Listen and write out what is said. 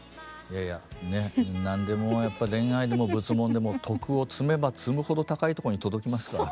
いやいやね何でもやっぱ恋愛でも仏門でも徳を積めば積むほど高いとこに届きますから。